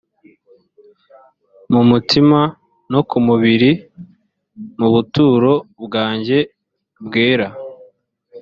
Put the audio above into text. mumutima no ku mubiri mu buturo bwanjye bwera